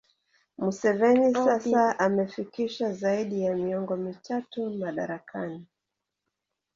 Museveni sasa amefikisha zaidi ya miongo mitatu madarakani